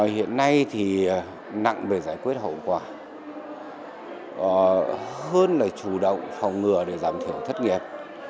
hiện nay thì nặng về giải quyết hậu quả hơn là chủ động phòng ngừa để giảm thiểu thất nghiệp